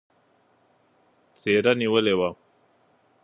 څېره نېولې وه.